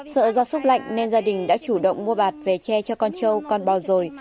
sợ gia súc lạnh nên gia đình đã chủ động mua bạc về che cho con trâu con bò rồi